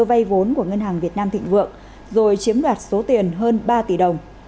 vay vốn của ngân hàng việt nam thịnh vượng rồi chiếm đoạt số tiền hơn ba tỷ đồng